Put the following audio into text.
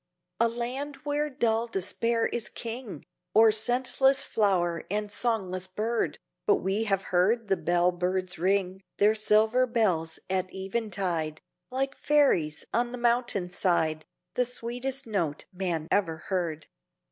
'A land where dull Despair is king O'er scentless flower and songless bird!' But we have heard the bell birds ring Their silver bells at eventide, Like fairies on the mountain side, The sweetest note man ever heard.